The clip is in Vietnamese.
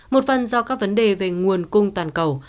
một phần do các vấn đề về nguồn cung toàn cầu